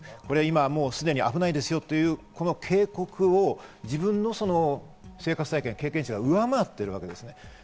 すでに危ないですよというこの警告を自分の生活体験や経験値を上回っているわけです。